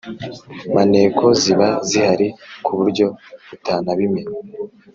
Maneko ziba zihari kuburyo utanabimenya